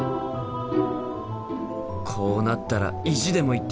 こうなったら意地でも行ってやる！